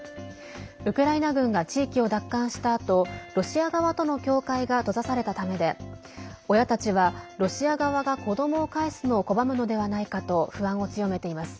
ウクライナ軍が地域を奪還したあとロシア側との境界が閉ざされたためで親たちは、ロシア側が子どもを返すのを拒むのではないかと不安を強めています。